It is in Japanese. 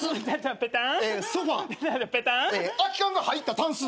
空き缶が入ったたんす。